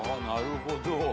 なるほど。